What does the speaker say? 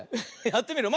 やってみる？